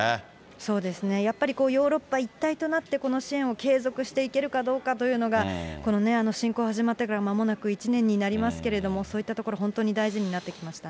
そうですね、やっぱりヨーロッパ一体となってこの支援を継続していけるかどうかというのが、この侵攻始まってからまもなく１年になりますけれども、そういったところ、本当に大事になってきましたね。